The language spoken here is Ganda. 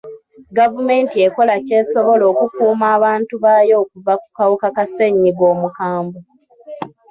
Gavumenti ekola ky'esobola okukuuma abantu baayo okuva ku kawuka ka ssenyiga omukambwe.